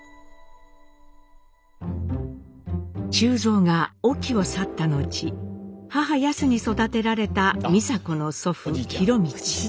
忠蔵が隠岐を去った後母ヤスに育てられた美佐子の祖父博通。